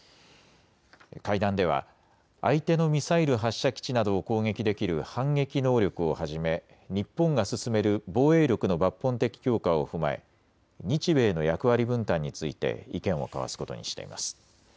会談では相手のミサイル発射基地などを攻撃できる反撃能力をはじめ日本が進める防衛力の抜本的強化を踏まえ日米の役割分担について意見を交わすことにしています。